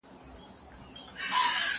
زه بايد سپينکۍ پرېولم؟